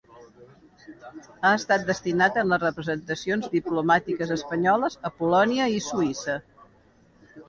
Ha estat destinat en les representacions diplomàtiques espanyoles a Polònia i Suïssa.